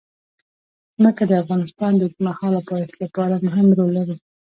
ځمکه د افغانستان د اوږدمهاله پایښت لپاره مهم رول لري.